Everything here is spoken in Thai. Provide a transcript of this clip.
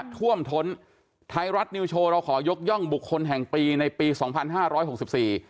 ท่วมท้นไทยรัฐนิวโชว์เราขอยกย่องบุคคลแห่งปีในปีสองพันห้าร้อยหกสิบสี่